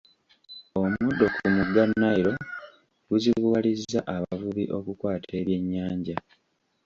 Omuddo ku mugga Nile guzibuwalizza abavubi okukwata ebyenyanja.